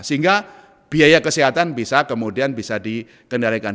sehingga biaya kesehatan bisa kemudian bisa dikendalikan